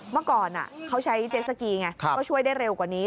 เมื่อก่อนเขาใช้เจสสกีไงก็ช่วยได้เร็วกว่านี้